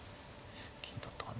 金だったかな。